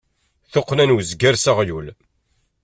Tuqqna n uzger s aɣyul.